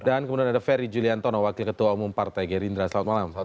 dan kemudian ada ferry juliantono wakil ketua umum partai gerindra selamat malam bang ferry